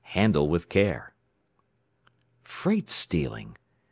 HANDLE WITH CARE!" "Freight stealing!